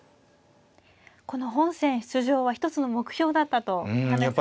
この本戦出場は一つの目標だったと話されていました。